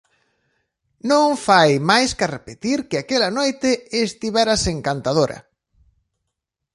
Non fai máis ca repetir que aquela noite estiveras encantadora.